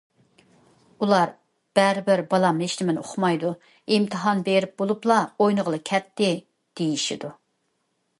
ئۇلار‹‹ بەرىبىر بالام ھېچنېمىنى ئۇقمايدۇ، ئىمتىھان بېرىپ بولۇپلا، ئوينىغىلى كەتتى››، دېيىشىدۇ.